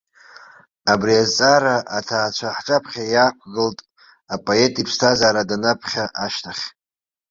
Абри азҵаара аҭаацәа ҳҿаԥхьа иаақәгылт апоет иԥсҭазаара данаԥхьа ашьҭахь.